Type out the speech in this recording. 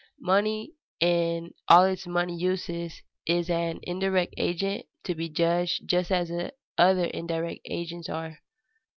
_Money in all its money uses is an indirect agent, to be judged just as other indirect agents are.